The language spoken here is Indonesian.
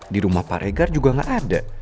di rumah pak regar juga nggak ada